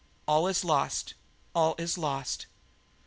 All is lost; all is lost_!"